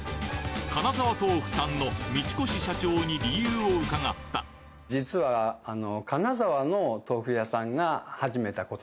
金沢豆冨さんの道越社長に理由を伺った実はあの。